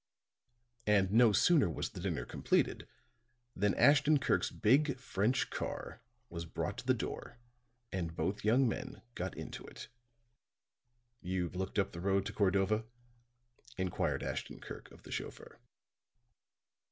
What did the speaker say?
And no sooner was the dinner completed than Ashton Kirk's big French car was brought to the door and both young men got into it. "You've looked up the road to Cordova?" inquired Ashton Kirk of the chauffeur.